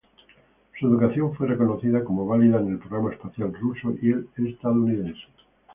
Su educación fue reconocida como válida en el programa espacial ruso y el estadounidense.